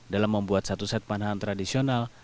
dalam membuat satu set panahan tradisional